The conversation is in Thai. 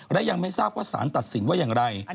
และยังไม่ทราบว่าสารตัดสินว่าอย่างไร